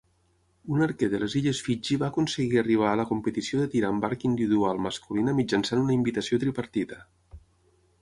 Un arquer de les illes Fiji va aconseguir arribar a la competició de tir amb arc individual masculina mitjançant una invitació tripartita.